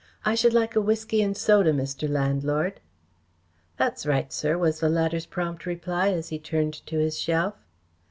"I should like a whisky and soda, Mr. Landlord." "That's right, sir," was the latter's prompt reply, as he turned to his shelf.